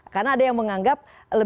karena ada yang menganggap